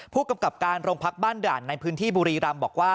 ผู้กำกับการโรงพักบ้านด่านในพื้นที่บุรีรำบอกว่า